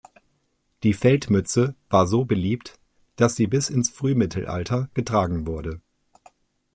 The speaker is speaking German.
Die Feldmütze war so beliebt, dass sie bis ins Frühmittelalter getragen wurde.